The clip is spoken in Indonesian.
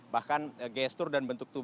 bahkan gestur dan bentuk tubuh